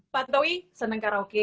pak tantowi seneng karaoke